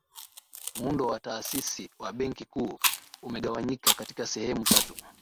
muundo wa taasisi wa benki kuu umegawanyika katika sehemu tatu